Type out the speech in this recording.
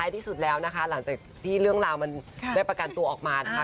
ที่สุดแล้วนะคะหลังจากที่เรื่องราวมันได้ประกันตัวออกมานะคะ